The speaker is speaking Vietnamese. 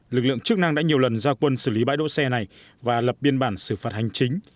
lực lượng chức năng đã nhiều lần ra quân xử lý bãi đỗ xe này và lập biên bản xử phạt hành chính